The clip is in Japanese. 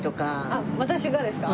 あっ私がですか？